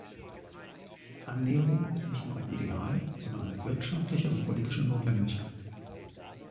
Annäherung ist nicht nur ein Ideal, sondern eine wirtschaftliche und politische Notwendigkeit.